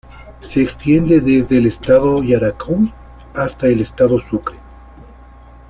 Se extiende desde el estado Yaracuy hasta el estado Sucre.